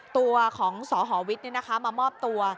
ตัวของสหวิทย์มามอบตัว